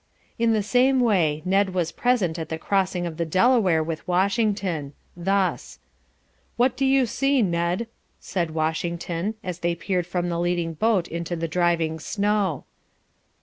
In the same way Ned was present at the crossing of the Delaware with Washington. Thus: "'What do you see, Ned?' said Washington, as they peered from the leading boat into the driving snow.